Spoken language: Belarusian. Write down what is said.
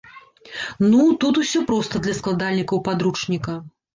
Ну, тут усё проста для складальнікаў падручніка.